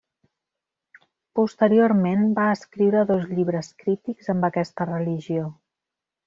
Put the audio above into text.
Posteriorment va escriure dos llibres crítics amb aquesta religió.